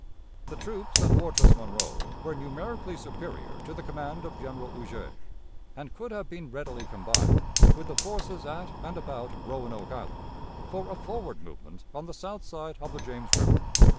The troops at Fortress Monroe were numerically superior to the command of General Huger, and could have been readily combined, with the forces at and about Roanoke Island, for a forward movement on the south side of the James River.